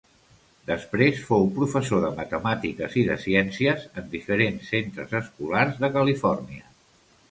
Després fou professor de matemàtiques i de ciències en diferents centres escolars de Califòrnia.